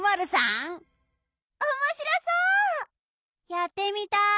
やってみたい。